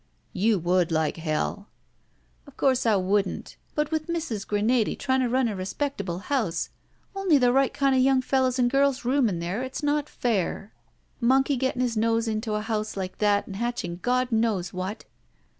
"You would, like hell." "Of course I wouldn't, but with Mrs. Granady faying to run a respectable house, only the right kind of young fellows and girls rooming there, it's not fair. Monkey getting his nose into a house like that and hatching God knows what!